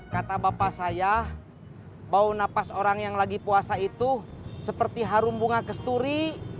kata bapak saya bau napas orang yang lagi puasa itu seperti harum bunga kesuri